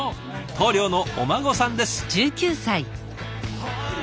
棟梁のお孫さんです。